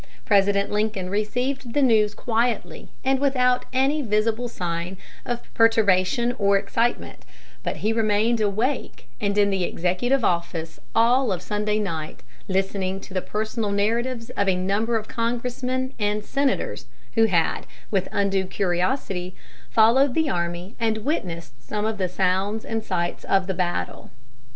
President Lincoln received the news quietly and without any visible sign of perturbation or excitement; but he remained awake and in the executive office all of Sunday night, listening to the personal narratives of a number of congressmen and senators who had, with undue curiosity, followed the army and witnessed some of the sounds and sights of the battle.